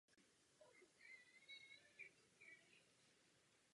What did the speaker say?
Zajímal se také o lázeňství v oblasti Toskánska.